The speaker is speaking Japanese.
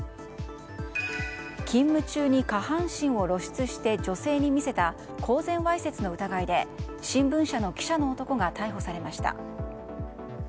勤務中に下半身を露出して女性に見せた公然わいせつの疑いで新聞社の記者の男が逮捕されました。